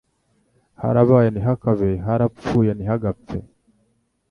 Harabaye ntihakabe Harapfuye ntihagapfe